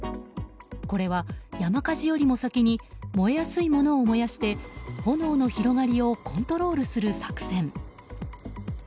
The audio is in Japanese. これは山火事よりも先に燃えやすいものを燃やして炎の広がりをコントロールする作戦。